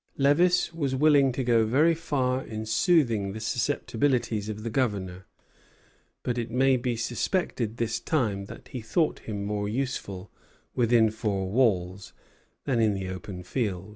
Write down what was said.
Lévis was willing to go very far in soothing the susceptibilities of the Governor; but it may be suspected this time that he thought him more useful within four walls than in the open field.